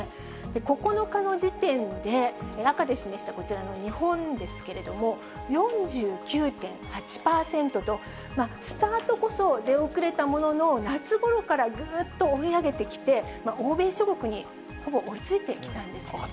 ９日の時点で、赤で示したこちらの日本ですけれども、４９．８％と、スタートこそ出遅れたものの、夏ごろからぐっと追い上げてきて、欧米諸国にほぼ追いついてきたんですよね。